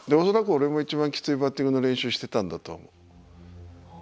恐らく俺も一番きついバッティングの練習してたんだと思う。